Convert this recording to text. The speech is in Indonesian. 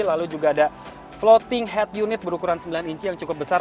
lalu juga ada floating head unit berukuran sembilan inci yang cukup besar